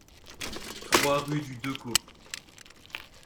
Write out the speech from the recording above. trois rue du Decau